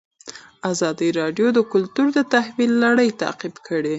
ازادي راډیو د کلتور د تحول لړۍ تعقیب کړې.